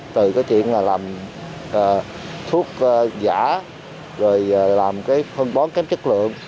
từ cái chuyện là thuốc giả rồi làm cái phân bón kém chất lượng